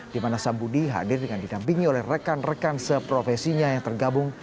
di mana sambudi hadir dengan didampingi oleh rekan rekan seprofesinya yang tergabung